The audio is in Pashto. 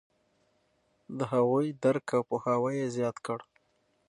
د هغوی درک او پوهاوی یې زیات کړ.